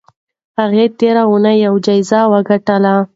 هغې تېره اونۍ یوه جایزه وګټله.